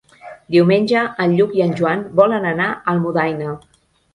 Diumenge en Lluc i en Joan volen anar a Almudaina.